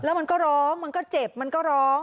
แล้วมันก็ร้องมันก็เจ็บมันก็ร้อง